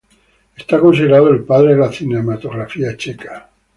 Es considerado el padre de la cinematografía checa.